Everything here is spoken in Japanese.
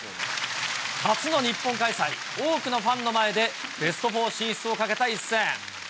初の日本開催、多くのファンの前で、ベストフォー進出をかけた一戦。